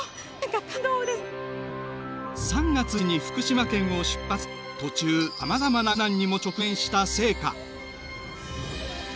３月２５日に福島県を出発し途中、さまざまな困難にも直面した聖火。